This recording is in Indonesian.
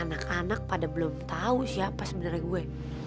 anak anak pada belum tau siapa sebenernya gue